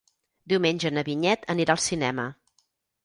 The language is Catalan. Diumenge na Vinyet anirà al cinema.